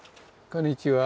こんにちは。